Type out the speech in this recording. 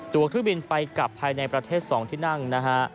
ตัวเครื่องบินไปกลับภายในประเทศ๒ที่นั่งนะฮะ